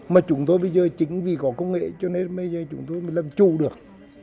mà chúng tôi bây giờ chính vì có công nghệ cho nên bây giờ chúng tôi làm trù được